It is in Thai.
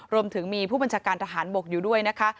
รวมถึงมีผู้บัญชาการทหารบกอยู่ด้วยนะคะ